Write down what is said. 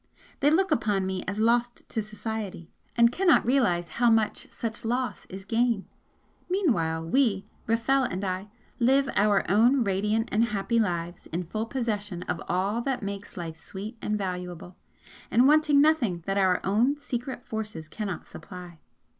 They look upon me as 'lost to society' and cannot realise how much such loss is gain! Meanwhile we, Rafel and I, live our own radiant and happy lives, in full possession of all that makes life sweet and valuable, and wanting nothing that our own secret forces cannot supply.